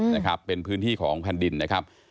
นะครับเป็นพื้นที่ของแผ่นดินนะครับ